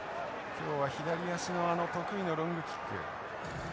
今日は左足のあの得意のロングキック。